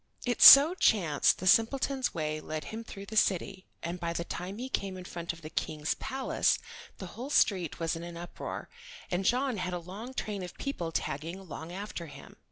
It so chanced the simpleton's way led him through the city and by the time he came in front of the King's palace the whole street was in an uproar, and John had a long train of people tagging along after him.